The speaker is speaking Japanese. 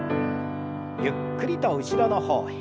ゆっくりと後ろの方へ。